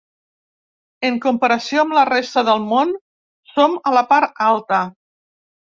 En comparació amb la resta del món, som a la part alta.